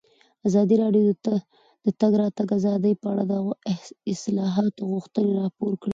ازادي راډیو د د تګ راتګ ازادي په اړه د اصلاحاتو غوښتنې راپور کړې.